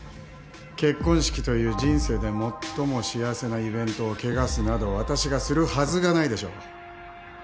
結婚式という人生で最も幸せなイベントを汚すなど私がするはずがないでしょう。